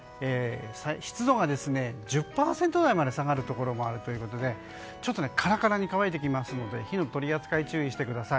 湿度が１０％台まで下がるところもあるということでカラカラに乾いてきますので火の取り扱い、注意してください。